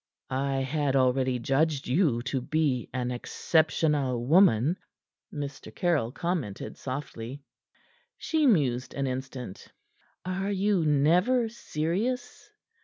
"I had already judged you to be an exceptional woman," Mr. Caryll commented softly. She mused an instant. "Are you never serious?"